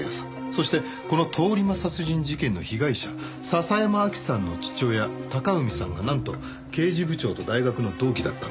そしてこの通り魔殺人事件の被害者笹山明希さんの父親隆文さんがなんと刑事部長と大学の同期だったんです。